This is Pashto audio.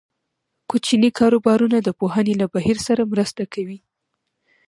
کوچني کاروبارونه د پوهنې له بهیر سره مرسته کوي.